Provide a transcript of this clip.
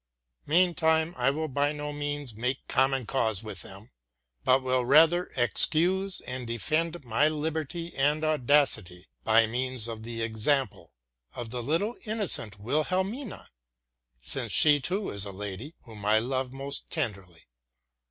Meantime I will by no means make common cause with them, but will rather excuse and defend my liberty and audacity by means of the example of the little innocent Wilhelmina, since she too is a lady whom I love most tenderly.